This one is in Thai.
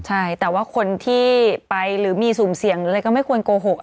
ใช่แต่ว่าคนที่ไปหรือมีสุ่มเสี่ยงหรืออะไรก็ไม่ควรโกหก